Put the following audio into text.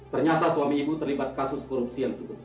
ternyata suami ibu terlibat kasus korupsi yang cukup